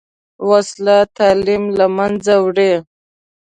وسله تعلیم له منځه وړي